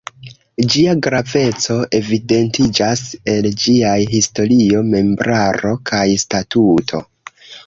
Ĝia graveco evidentiĝas el ĝiaj historio, membraro kaj statuto.